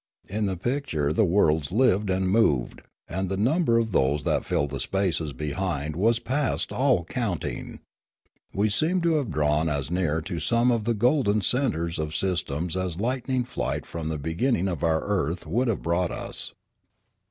In the picture the worlds lived and moved, and the number of those that filled the spaces behind was past all counting; we seemed to have drawn as near to some of the golden centres of systems as light ning flight from the beginning of our earth would have brought us.